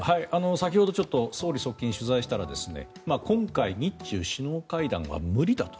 先ほど総理側近を取材したら今回、日中首脳会談は無理だと。